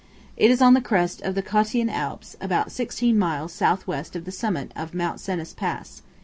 It is on the crest of the Cottian Alps, about 16 miles south west of the summit of Mt. Cenis Pass.